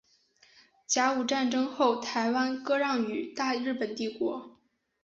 甲午战争后台湾割让予大日本帝国。